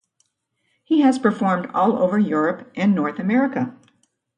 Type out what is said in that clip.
He has performed all over Europe and North America.